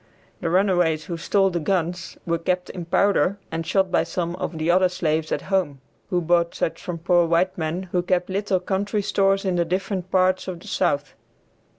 The runaways who stole the guns were kept in powder and shot by some of the other slaves at home, who bought such from poor white men who kept little country stores in the different parts of the South.